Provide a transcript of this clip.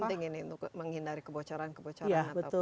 penting ini untuk menghindari kebocoran kebocoran ataupun